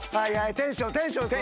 テンションテンション！